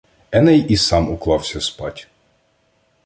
Еней і сам уклався спать.